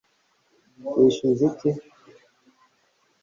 wishyuza iki